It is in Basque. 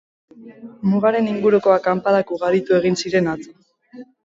Mugaren inguruko akanpadak ugaritu egin ziren atzo.